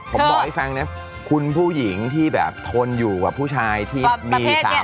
ผมบอกให้ฟังนะคุณผู้หญิงที่แบบทนอยู่กับผู้ชายที่มีสามี